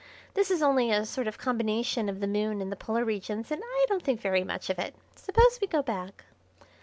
This is only a sort of combination of the Moon and the polar regions and I don't think very much of it. Suppose we go back."